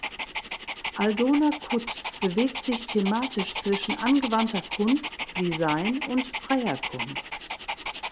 Aldona Kut bewegt sich thematisch zwischen angewandter Kunst (Design) und freier Kunst.